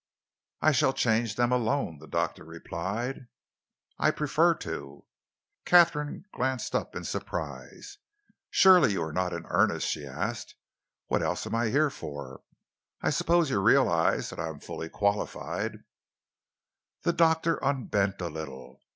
"I shall change them alone," the doctor replied. "I prefer to." Katharine glanced up in surprise. "Surely you are not in earnest?" she asked. "What else am I here for? I suppose you realise that I am fully qualified?" The doctor unbent a little.